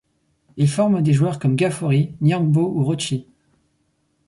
Il forme des joueurs comme Gaffory, Niangbo ou Rocchi.